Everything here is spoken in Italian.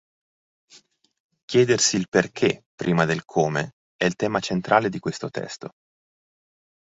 Chiedersi il "perché" prima del "come" è il tema centrale di questo testo.